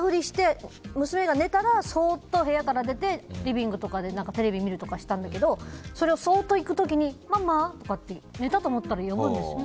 娘が寝たら、そっと部屋から出てリビングとかでテレビ見てたんだけどそれを、そーっと行く時にママ？って寝たと思ったら呼ぶんですよ。